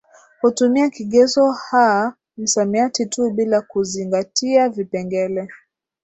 hutumia kigezo ha msamiati tu bila kuzingatiavipengele